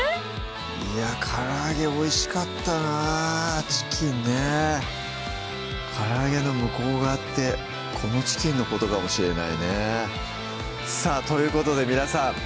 いやからあげおいしかったなチキンねからあげの向こう側ってこのチキンのことかもしれないねさぁということで皆さん